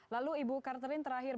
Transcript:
lalu ibu carterin terakhir